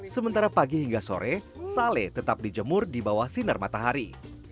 sementara pagi hingga sore sale tetap dijemur di bawah sinar matahari